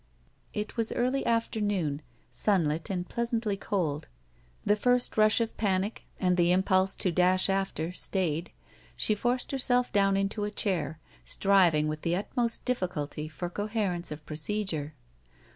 It was early afternoon, sunlit and pleasantly cold. The first rush of panic and the impulse to dash after stayed, she forced herself down into a chair, striving with the utmost difficulty for coherence of procedure.